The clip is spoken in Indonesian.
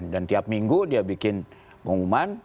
dan tiap minggu dia bikin pengumuman